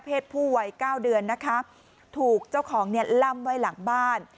ผู้วัยเก้าเดือนนะคะถูกเจ้าของเนี่ยล่ำไว้หลังบ้าน